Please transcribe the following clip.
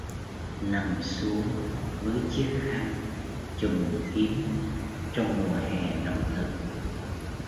Nằm xuống với chiếc khăn chùm kín trong mùa hè nóng nực